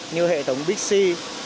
như hệ thống bixi